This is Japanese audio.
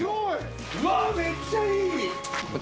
うわめっちゃいい！